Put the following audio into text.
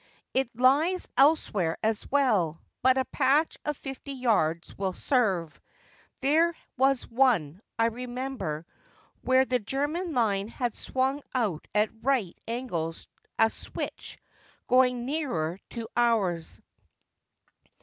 It lies elsewhere as well, but a patch of fifty yards will serve. There was one, I remember, where the German line had swung out at right angles — a switch — going nearer to ours.